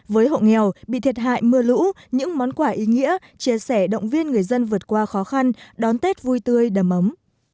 với hộ nghèo bị thiệt hại mưa lũ những món quà ý nghĩa chia sẻ động viên người dân vượt qua khó khăn đón tết vui tươi đầm ấm